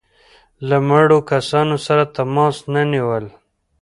له مړو کسانو سره تماس نه نیول.